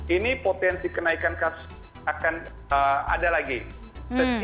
ini potensi kenaikan kasus akan ada tapi tidak akan terjadi